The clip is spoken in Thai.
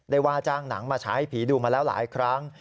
ว่าจ้างหนังมาใช้ให้ผีดูมาแล้วหลายครั้ง